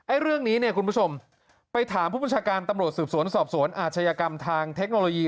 เรื่องนี้เนี่ยคุณผู้ชมไปถามผู้บัญชาการตำรวจสืบสวนสอบสวนอาชญากรรมทางเทคโนโลยี